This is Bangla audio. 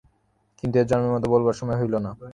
কিন্তু এ-জন্মের মতো বলবার সময় হল না।